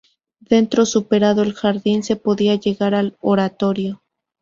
Dentro, superado el jardín se podía llegar al oratorio.